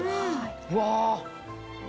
うわ。